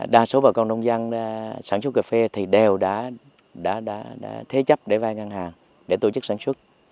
đa số bà con nông dân sản xuất cà phê thì đều đã thế chấp để vay ngân hàng để tổ chức sản xuất